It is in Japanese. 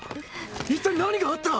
一体何があった！？